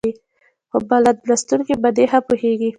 خو بلد لوستونکي په دې ښه پوهېږي.